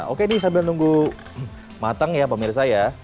oke nih sambil nunggu matang ya pemirsa ya